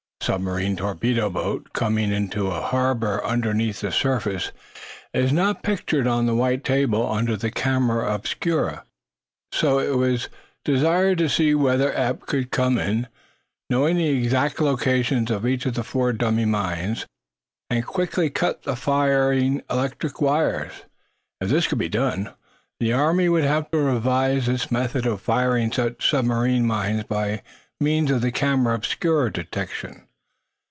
A submarine torpedo boat, coming into a harbor underneath the surface, is not pictured on the white table under the camera obscura. So it was desired to see whether Eph could come in, knowing the exact locations of each of the four dummy mines, and quickly cut the firing electric wires. If this could be done, the Army would have to revise its method of firing such submarine mines by means of the camera obscura detection.